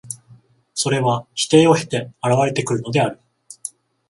それは否定を経て現れてくるのである。